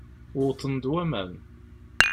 Wwḍen-d waman.